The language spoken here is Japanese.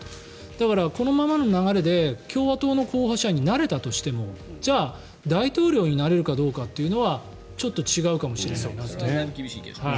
だから、このままの流れで共和党の候補者になれたとしてもじゃあ、大統領になれるかどうかというのはちょっと違うかもしれないなと。